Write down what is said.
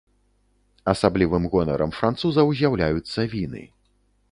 Асаблівым гонарам французаў з'яўляюцца віны.